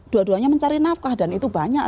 dua duanya mencari nafkah dan itu banyak